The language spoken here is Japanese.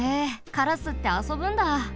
カラスってあそぶんだ！